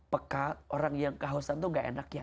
peka orang yang kehausan itu tidak enak ya